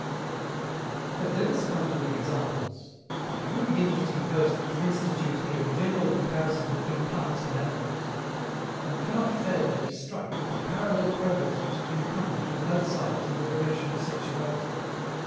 But let us come to the examples. It would be interesting first to institute here a general comparison between plants and animals. One cannot fail to be struck with the parallel progress which has been accomplished, on both sides, in the direction of sexuality.